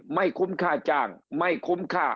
ไม่คุ้มค่าจ้างไม่คุ้มค่า